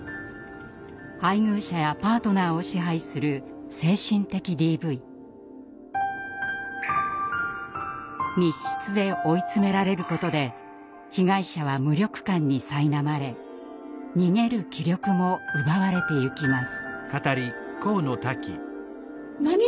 配偶者やパートナーを支配する密室で追い詰められることで被害者は無力感にさいなまれ逃げる気力も奪われてゆきます。